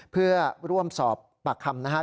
เพื่อร่วมสอบปรักคำนะฮะ